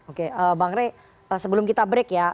oke bang rey sebelum kita break ya